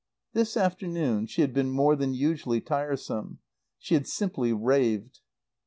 This afternoon she had been more than usually tiresome. She had simply raved.